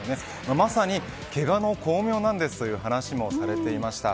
まさに、けがの功名なんですという話もされていました。